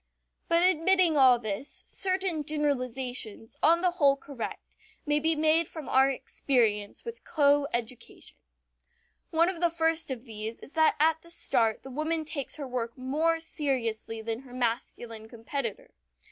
But admitting all this certain generalizations, on the whole correct, may be made from our experience with coeducation. One of the first of these is that at the start the woman takes her work more seriously than her masculine competitor.